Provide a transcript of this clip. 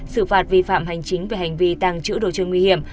xử phạt vi phạm hành chính về hành vi tàng trữ đồ chơi nguy hiểm